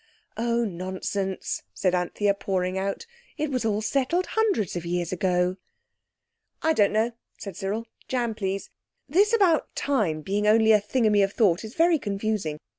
"Oh, nonsense," said Anthea, pouring out; "it was all settled hundreds of years ago." "I don't know," said Cyril. "Jam, please. This about time being only a thingummy of thought is very confusing.